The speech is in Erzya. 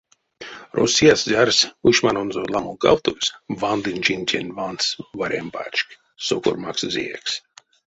Россиясь зярс, ушманонзо ламолгавтозь, вандынь чинтень вансь варянь пачк, сокор максазеекс.